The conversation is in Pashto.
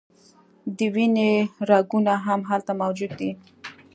د وینې رګونه هم هلته موجود دي.